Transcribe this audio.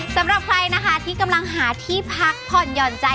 สำหรับใครนะคะที่กำลังหาที่พักผ่อนหย่อนใจ